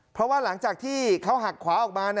เพราะว่าหลังจากที่เขาหักขวาออกมา